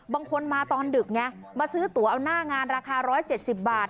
บางคนมาตอนดึกไงมาซื้อตั๋วเอาน่างานราคาร้อยเจ็ดสิบบาท